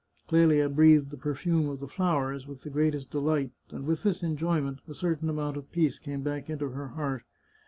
Clelia breathed the perfume of the flowers with the greatest de light, and with this enjoyment, a certain amount of peace came back into her heart.